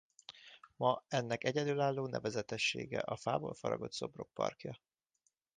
Ma ennek egyedülálló nevezetessége a fából faragott szobrok parkja.